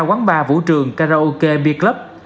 quán bar vũ trường karaoke b club